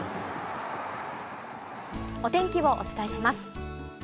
お天気をお伝えします。